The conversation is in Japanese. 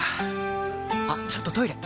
あっちょっとトイレ！